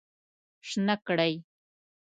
شنه کړی